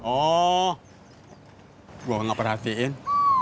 oh gua gak perhatiin